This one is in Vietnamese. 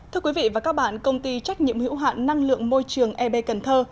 thưa quý vị và các bạn công ty trách nhiệm hữu hạn năng lượng môi trường eb cần thơ